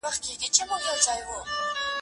د دې تابلو په کومه څنډه کې لیدی شو سره؟